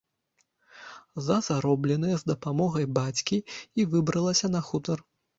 За заробленае з дапамогай бацькі і выбралася на хутар.